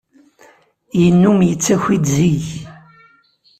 Yennum yettaki-d zik.